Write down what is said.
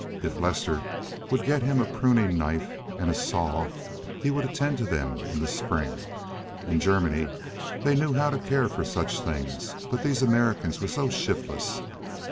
If Lester would get him a pruning knife and a saw he would attend to them in the spring. In Germany they knew how to care for such things, but these Americans were so shiftless.